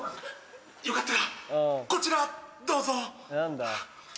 よかったらこちらどうぞ。